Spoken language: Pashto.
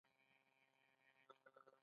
خور له خندا ژوند کوي.